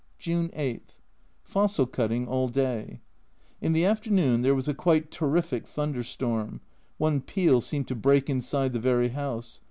June 8. Fossil cutting all day. In the afternoon there was a quite terrific thunder storm, one peal seemed to break inside the very house.